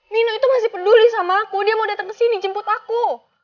nino itu masih peduli sama aku dia mau datang ke sini jemput aku